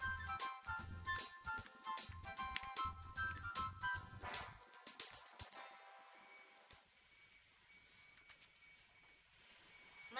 bisa kita pindah ke resep kamar